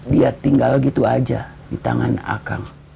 dia tinggal gitu aja di tangan akang